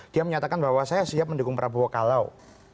dia menyatakan bahwa saya siap mendukung prabowo kalau